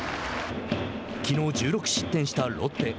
きのう１６失点したロッテ。